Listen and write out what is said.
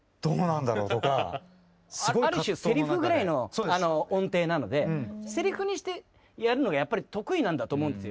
ある種セリフぐらいの音程なのでセリフにしてやるのが得意なんだと思うんですよ。